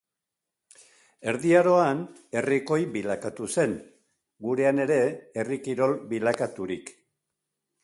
Erdi Aroan herrikoi bilakatu zen, gurean ere herri kirol bilakaturik.